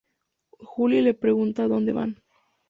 Julie le pregunta dónde van.